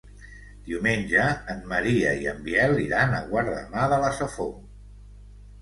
Diumenge en Maria i en Biel iran a Guardamar de la Safor.